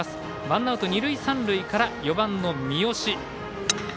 ワンアウト、二塁三塁から４番の三好。